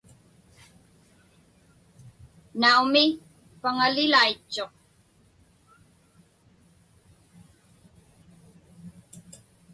Naumi, paŋalilaitchuq.